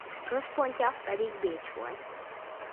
Központja pedig Bécs volt.